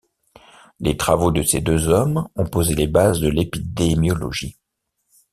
Les travaux de ces deux hommes ont posé les bases de l'épidémiologie.